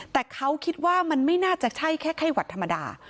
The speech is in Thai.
แต่เขาคิดว่ามันไม่น่าจะใช่แค่ไข้หวัดธรรมดา